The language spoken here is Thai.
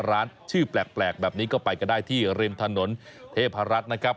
ร้านชื่อแปลกแบบนี้ก็ไปกันได้ที่ริมถนนเทพรัฐนะครับ